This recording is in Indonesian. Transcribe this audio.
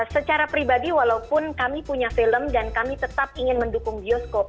secara pribadi walaupun kami punya film dan kami tetap ingin mendukung bioskop